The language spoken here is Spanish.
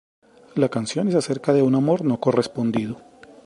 La canción es acerca de un amor no correspondido.